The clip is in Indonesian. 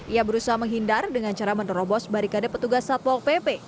ia berusaha menghindar dengan cara menerobos barikade petugas satpol pp